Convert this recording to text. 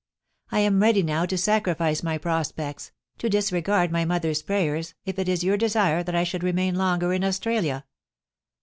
I am ready now to sacrifice my prospects, to disregard my mother's prayers, if it is your desire that I should remain longer in Australia